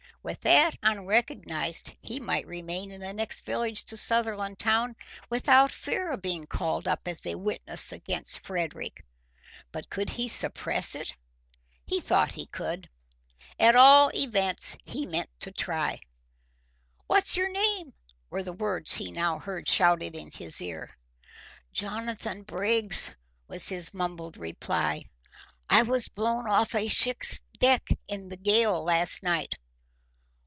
With that unrecognised he might remain in the next village to Sutherlandtown without fear of being called up as a witness against Frederick. But could he suppress it? He thought he could. At all events he meant to try. "What's your name?" were the words he now heard shouted in his ear. "Jonathan Briggs," was his mumbled reply. "I was blown off a ship's deck in the gale last night."